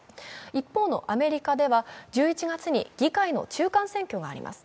一方のアメリカでは１１月に議会の中間選挙があります。